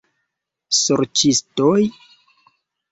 Sorĉistoj?